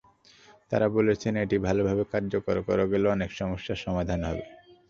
তাঁরা বলেছেন, এটি ভালোভাবে কার্যকর করা গেলে অনেক সমস্যার সমাধান হবে।